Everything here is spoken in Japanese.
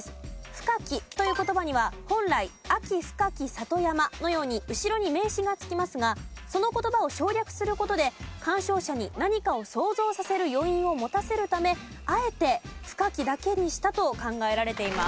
「深き」という言葉には本来「秋深き里山」のように後ろに名詞がつきますがその言葉を省略する事で鑑賞者に何かを想像させる余韻を持たせるためあえて「深き」だけにしたと考えられています。